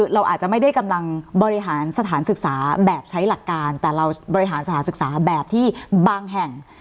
เราอาจจะไม่ได้กำลังบริหารสถานศึกษาแบบใช้หลักการแต่เราบริหารสถานศึกษาแบบที่บางแห่ง